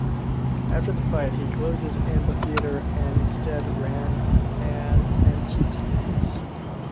After the fight he closed his amphitheatre, and instead ran an antiques business.